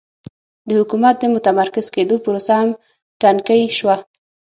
د حکومت د متمرکز کېدو پروسه هم ټکنۍ شوه